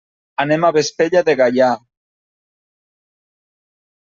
Anem a Vespella de Gaià.